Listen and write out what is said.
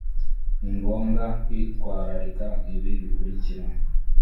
Ni ngombwa kwitwararika ibi bikurikira